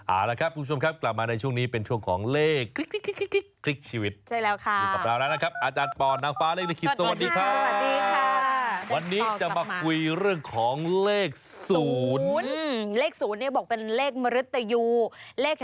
เอาละครับคุณผู้ชมครับกลับมาในช่วงนี้เป็นช่วงของเลขชีวิต